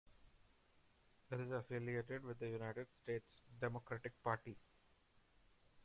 It is affiliated with the United States Democratic Party.